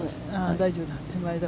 大丈夫だ。